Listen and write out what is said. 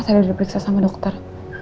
tadi udah diperiksa sama dokter